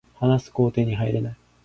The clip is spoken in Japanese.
話す工程に入れない